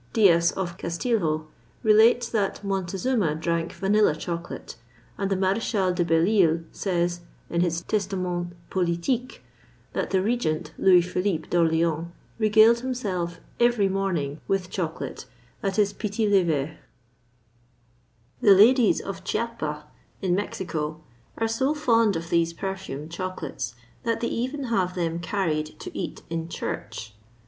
Dias of Castilho relates that Montezuma drank vanilla chocolate, and the Maréchal de Bellisle says, in his "Testament Politique," that the regent, Louis Philippe d'Orléans regaled himself every morning with chocolate at his petit lever. The ladies of Chiapa, in Mexico, are so fond of these perfumed chocolates that they even have them carried to eat in church.